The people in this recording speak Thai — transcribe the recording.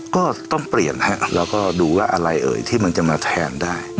ก็ต้องเปลี่ยนฮะแล้วก็ดูว่าอะไรเอ่ยที่มันจะมาแทนได้